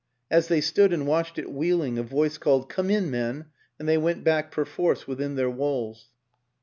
As they stood and watched it wheel ing, a voice called, " Come in, men," and they went back perforce within their walls.